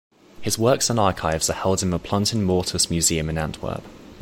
His works and archives are held in the Plantin-Moretus Museum in Antwerp.